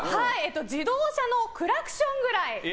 自動車のクラクションくらい。